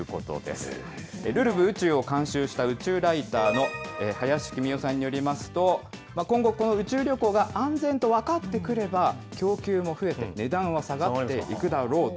宇宙を監修した宇宙ライターの林公代さんによりますと、今後、この宇宙旅行が安全と分かってくれば、供給も増えて、値段は下がっていくだろうと。